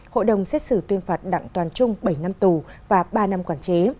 hội đồng xét xử tuyên phạt đặng toàn trung bảy năm tù và ba năm quản chế